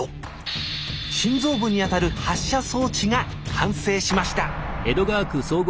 心臓部にあたる発射装置が完成しました！